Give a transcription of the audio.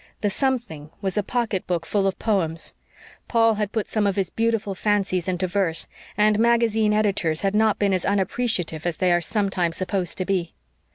The "something" was a pocketbook full of poems. Paul had put some of his beautiful fancies into verse, and magazine editors had not been as unappreciative as they are sometimes supposed to be.